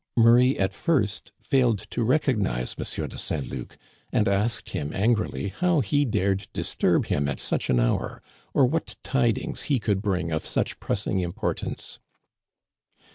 Murray at first failed to recognize M. de Saint Luc, and asked him angrily how he dared disturb him at such an hour, or what tidings he could bring of such pressing importance.